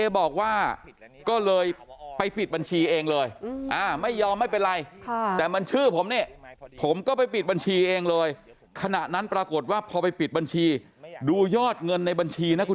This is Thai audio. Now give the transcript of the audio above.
บอกว่าก็เลยไปปิดบัญชีเองเลยไม่ยอมไม่เป็นไรแต่มันชื่อผมนี่ผมก็ไปปิดบัญชีเองเลยขณะนั้นปรากฏว่าพอไปปิดบัญชีดูยอดเงินในบัญชีนะคุณ